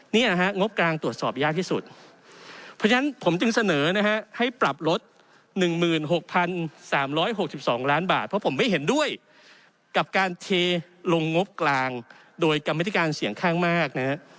นี่นะฮะงบกลางตรวจสอบยากที่สุด